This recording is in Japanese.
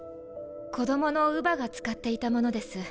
子供の乳母が使っていたものです。